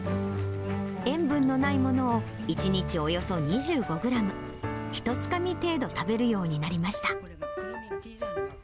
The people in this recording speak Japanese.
塩分のないものを１日およそ２５グラム、一つかみ程度食べるようになりました。